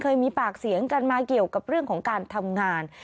เคยมีปากเสียงกันมาเกี่ยวกับเรื่องของการทำงาน